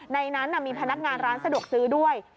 ในนั้นมีพนักงานร้านสะดวกซื้อด้วย